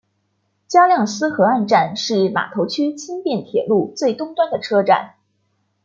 加量斯河岸站是码头区轻便铁路最东端的车站。